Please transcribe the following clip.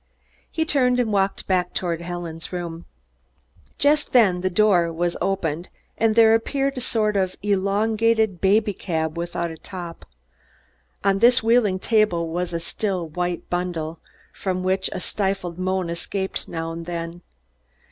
He turned and walked back toward Helen's room. Just then the door was opened and there appeared a sort of elongated baby cab, without a top. On this wheeling table was a still white bundle, from which a stifled moan escaped now and then.